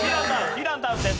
２段ダウンです。